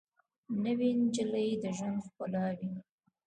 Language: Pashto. نوې نجلۍ د ژوند ښکلا وي